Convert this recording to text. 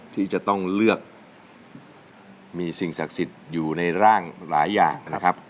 ที่จะต้องเลือกมีสิ่งศักดิ์สิทธิ์อยู่ในร่างหลายอย่างนะครับ